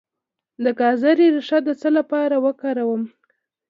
د ګازرې ریښه د څه لپاره وکاروم؟